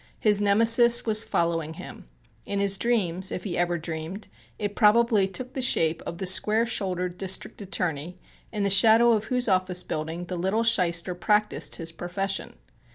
His Nemesis was following him. In his dreams, if he ever dreamed, it probably took the shape of the square shouldered District Attorney in the shadow of whose office building the little shyster practised his profession.